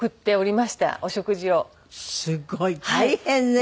すごい。大変ね。